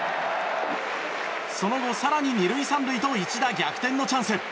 その後、更に２塁３塁と一打逆転のチャンス。